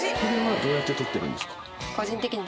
どうやって撮ってるんですか？